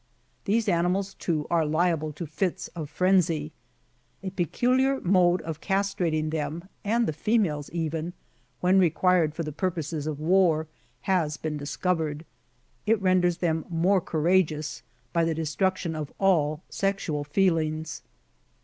These animals, too, are liable to fits of frenzy. ' A peculiar mode of castrating them, and the females, even, when required for the purposes of war, has been discovered : it renders them more courageous, by the destruction of all sexual feelings.